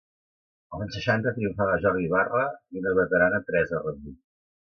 Als anys seixanta triomfava Jordi Barre i una veterana Teresa Rebull.